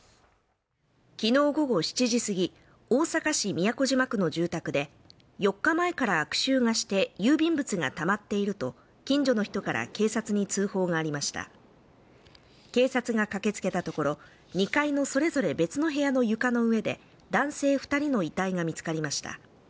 昨日午後７時過ぎ大阪市都島区の住宅で４日前から悪臭がして郵便物がたまっていると近所の人から警察に通報がありました警察が駆けつけたところ２階のそれぞれ別の部屋の床の上で男性二人の遺体が見つかりました